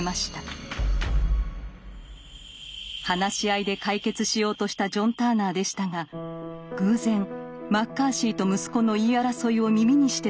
話し合いで解決しようとしたジョン・ターナーでしたが偶然マッカーシーと息子の言い争いを耳にしてしまいます。